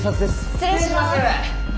失礼します。